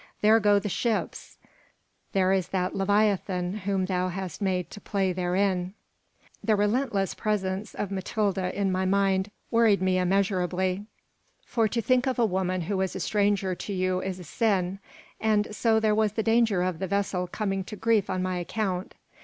There go the ships: there is that leviathan whom thou hast made to play therein. ..." The relentless presence of Matilda in my mind worried me immeasurably, for to think of a woman who is a stranger to you is a sin, and so there was the danger of the vessel coming to grief on my account.